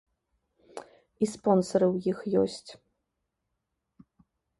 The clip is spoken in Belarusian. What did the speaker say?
І спонсары ў іх ёсць.